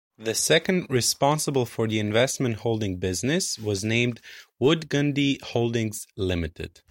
The second, responsible for the investment holding business, was named "Wood Gundy Holdings Limited".